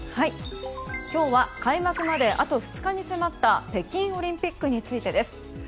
今日は開幕まであと２日に迫った北京オリンピックについてです。